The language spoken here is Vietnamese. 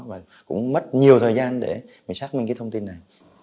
và cũng mất nhiều thời gian để mình xác minh cái thông tin này